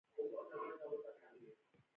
د پښتورګو د تیږې لپاره باید څه شی وکاروم؟